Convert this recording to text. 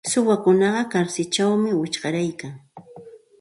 Suwakuna karsilćhawmi wichqaryarkan.